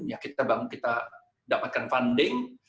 ya kita bangun kita dapatkan funding